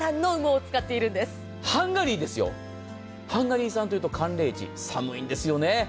ハンガリーですよ、ハンガリー産というと寒冷地、寒いんですよね。